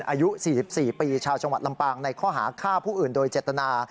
อายุ๔๔ปีชาวจังหวัดลำปางในข้อหาฆ่าผู้อื่นโดยเจตนา